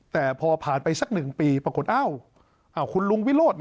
แต่พอผ่านไปสัก๑ปีปรากฏคุณลุงวิโรธ